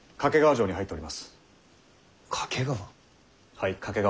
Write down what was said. はい懸川。